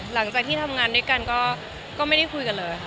หลังจากที่ทำงานด้วยกันก็ไม่ได้คุยกันเลย